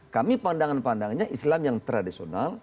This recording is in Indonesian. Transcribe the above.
kami pandangan pandangannya islam yang tradisional